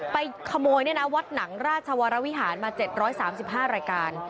ไปขโมยเนี่ยนะวัดหนังราชวรวิหารมาเจ็ดร้อยสามสิบห้ารายการ